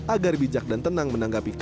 agar bijak dan tenang menanggap pelaku